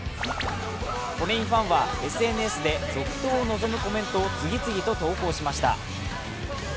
これにファンはＳＮＳで続投を望むコメントを次々と投稿しました。